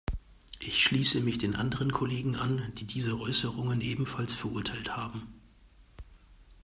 Ich schließe mich den anderen Kollegen an, die diese Äußerungen ebenfalls verurteilt haben.